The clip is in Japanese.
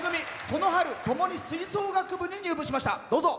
この春ともに吹奏楽部に入部しました。